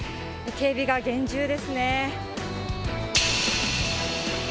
警備が厳重ですね。